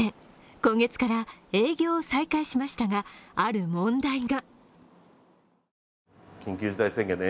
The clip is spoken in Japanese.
今月から営業を再開しましたがある問題が。